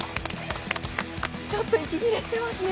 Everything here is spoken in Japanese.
ちょっと息切れしてますね。